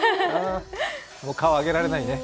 顔を上げられないね。